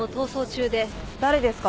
誰ですか？